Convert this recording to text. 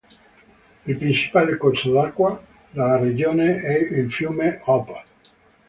Il principale corso d'acqua della regione è il fiume Ob'.